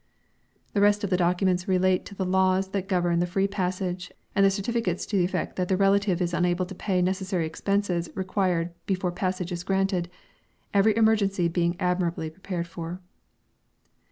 The rest of the documents relate to the laws that govern the free passage, and the certificates to the effect that the relative is unable to pay necessary expenses required before passage is granted, every emergency being admirably prepared for.